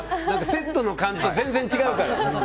セットの感じと全然違うから。